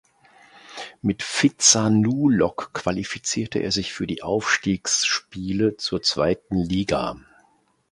Mit Phitsanulok qualifizierte er sich für die Aufstiegsspiele zur zweiten Liga.